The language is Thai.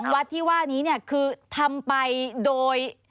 วัดที่ว่านี้เนี่ยคือทำไปโดย